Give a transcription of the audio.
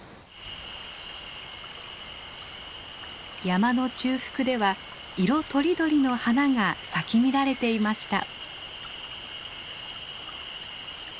山の中腹では色とりどりの花が咲き乱れていました。